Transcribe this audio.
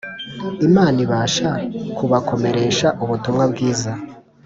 Imana ibasha kubakomeresha ubutumwa bwiza